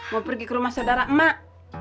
mau pergi ke rumah saudara emak